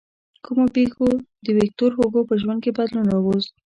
کومو پېښو د ویکتور هوګو په ژوند کې بدلون راوست.